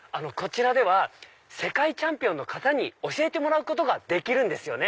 こちらでは世界チャンピオンに教えてもらうことができるんです。